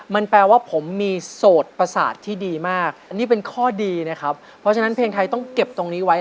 มันแปลว่าผมมีโสดประสาทที่ดีมากอันนี้เป็นข้อดีนะครับเพราะฉะนั้นเพลงไทยต้องเก็บตรงนี้ไว้